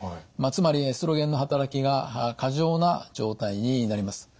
つまりエストロゲンの働きが過剰な状態になります。